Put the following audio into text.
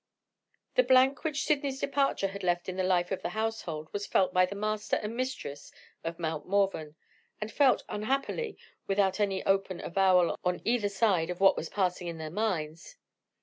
The blank which Sydney's departure left in the life of the household was felt by the master and mistress of Mount Morven and felt, unhappily, without any open avowal on either side of what was passing in their minds.